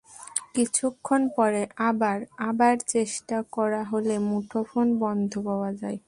কিছুক্ষণ পরে আবার আবার চেষ্টা করা হলে মুঠোফোন বন্ধ পাওয়া যায়।